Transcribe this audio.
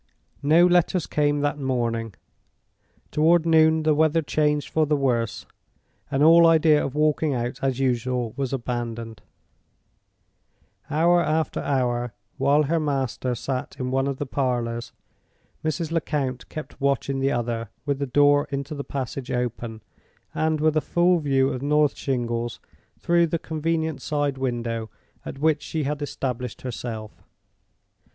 No letters came that morning. Toward noon the weather changed for the worse, and all idea of walking out as usual was abandoned. Hour after hour, while her master sat in one of the parlors, Mrs. Lecount kept watch in the other, with the door into the passage open, and with a full view of North Shingles through the convenient side window at which she had established herself.